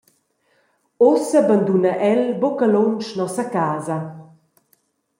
Ussa banduna el buca lunsch nossa casa.